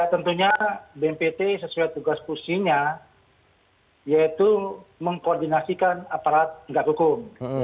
ya tentunya bnpb sesuai tugas kursinya yaitu mengkoordinasikan aparat penggak hukum